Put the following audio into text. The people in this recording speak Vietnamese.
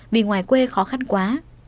vì ngoài quê khó khăn quá